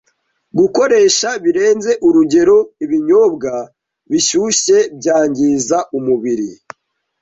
Gukoresha Birenze Urugero Ibinyobwa Bishyushye Byangiza Umubiri